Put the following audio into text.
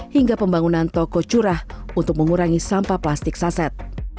hingga pembangunan toko curah untuk mengurangi sampah plastik saset